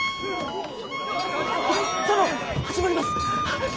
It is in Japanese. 殿始まります。